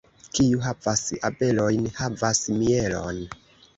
Kiu havas abelojn, havas mielon.